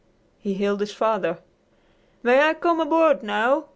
He hailed his father. "May I come aboard now?"